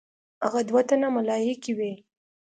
هغه دوه تنه ملایکې وې.